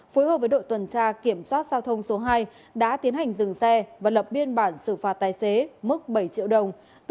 phối hợp với đội tuần tra kiểm soát giao thông số hai đã tiến hành dừng xe và lập biên bản xử phạt tài xế mức bảy triệu đồng